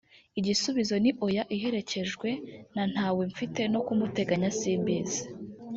igisubizo ni Oya iherekejwe na “Ntawe mfite no kumuteganya simbizi